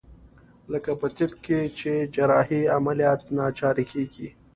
لکه په طب کښې چې جراحي عمليات له ناچارۍ کېږي.